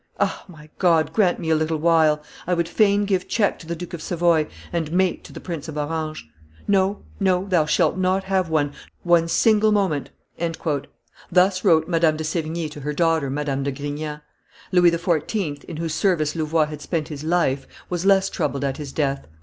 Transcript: Ah! my God, grant me a little while; I would fain give check to the Duke of Savoy and mate to the Prince of Orange! No, no, thou shalt not have one, one single moment!" Thus wrote Madame do Sevigne to her daughter Madame de Grignan. Louis XIV., in whose service Louvois had spent his life, was less troubled at his death.